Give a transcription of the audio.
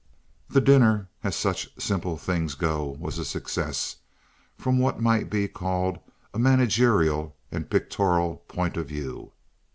The dinner, as such simple things go, was a success from what might be called a managerial and pictorial point of view.